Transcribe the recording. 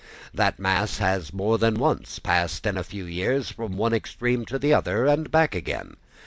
That mass has more than once passed in a few years from one extreme to the other, and back again.